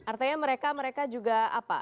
artinya mereka juga apa